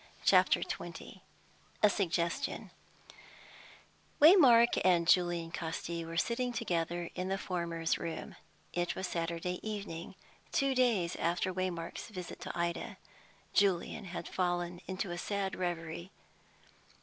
CHAPTER XX A SUGGESTION Waymark and Julian Casti were sitting together in the former's room. It was Saturday evening two days after Waymark's visit to Ida. Julian had fallen into a sad reverie.